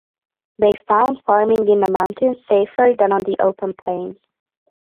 They found farming in the mountains safer than on the open plains.